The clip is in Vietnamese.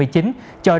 cho đến lúc này